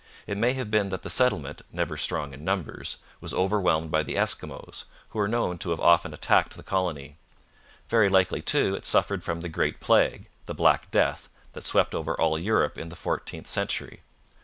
It may have been that the settlement, never strong in numbers, was overwhelmed by the Eskimos, who are known to have often attacked the colony: very likely, too, it suffered from the great plague, the Black Death, that swept over all Europe in the fourteenth century.